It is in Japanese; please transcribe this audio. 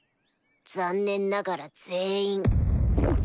残念ながら全員。